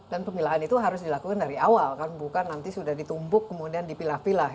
dan pemilahan itu harus dilakukan dari awal bukan nanti sudah ditumbuk kemudian dipilah pilah